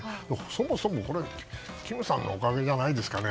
そもそも金さんのおかげじゃないですかね。